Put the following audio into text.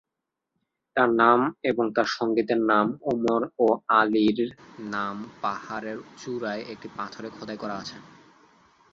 তাঁর নাম এবং তাঁর সঙ্গীদের নাম উমর ও আলীর নাম পাহাড়ের চূড়ায় একটি পাথরে খোদাই করা আছে।